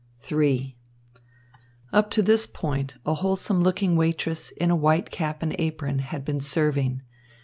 III Up to this point a wholesome looking waitress, in white cap and apron, had been serving.